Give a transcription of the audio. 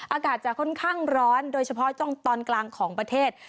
อากาศจะค่อนข้างร้อนโดยเฉพาะตอนกลางของประเทศ